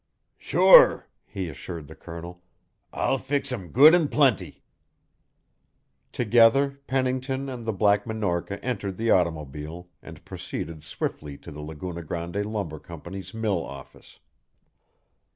"Sure!" he assured the Colonel. "I'll fix 'em good and plenty." Together Pennington and the Black Minorca entered the automobile and proceeded swiftly to the Laguna Grande Lumber Company's mill office.